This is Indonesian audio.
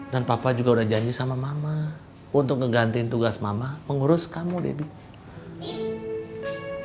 dan papa juga udah janji sama mama untuk ngegantiin tugas mama pengurus kamu debbie